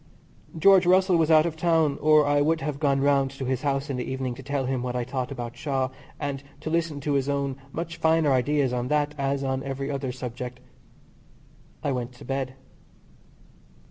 George Russell was out of town or I would have gone round to his house in the evening to tell him what I thought about Shaw, and to listen to his own much finer ideas on that as on every other subject. I went to bed.